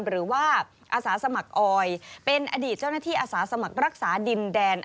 หรือว่าอาสาสมัครออยเป็นอดีตเจ้าหน้าที่อาสาสมัครรักษาดินแดน